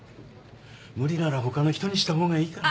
無理なら他の人にした方がいいかな。